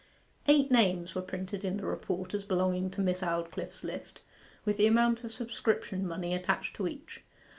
Eight names were printed in the report as belonging to Miss Aldclyffe's list, with the amount of subscription money attached to each.